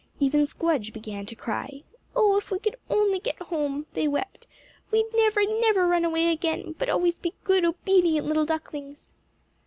Even Squdge began to cry. "Oh, if we could only get home," they wept, "we'd never, never run away again, but always be good obedient little ducklings."